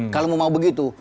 kalau mau begitu